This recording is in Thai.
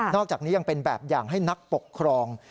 อกจากนี้ยังเป็นแบบอย่างให้นักปกครอง